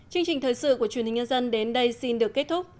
chương trình thời sự của truyền hình nhân dân đến đây xin được kết thúc